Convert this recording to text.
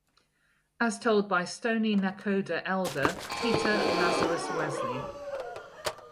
As told by Stoney Nakoda Elder Peter Lazarus Wesley.